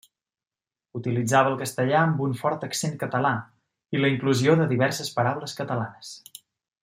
Utilitzava el castellà amb un fort accent català i la inclusió de diverses paraules catalanes.